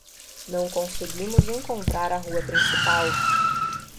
Não conseguimos encontrar a rua principal.